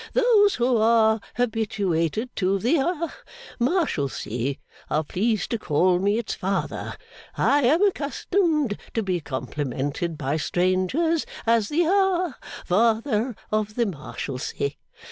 Those who are habituated to the ha Marshalsea, are pleased to call me its father. I am accustomed to be complimented by strangers as the ha Father of the Marshalsea.